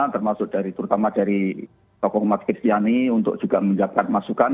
termasuk terutama dari tokoh umar kirsyani untuk juga menjaga masukan